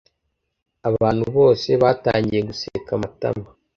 Abantu bose batangiye guseka Matama.